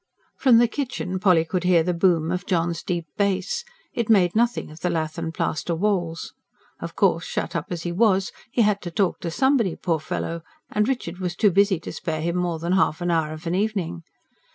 From the kitchen Polly could hear the boom of John's deep bass: it made nothing of the lath and plaster walls. Of course, shut up as he was, he had to talk to somebody, poor fellow; and Richard was too busy to spare him more than half an hour of an evening.